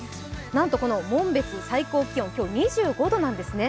なんとこの紋別、最高気温、今日は２５度なんですね。